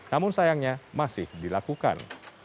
namun sayangnya masih dilakukan